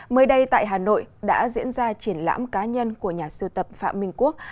mới đây tại hà nội đã diễn ra triển lãm cá nhân của nhà siêu tập phạm minh quốc